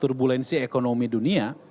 turbulensi ekonomi dunia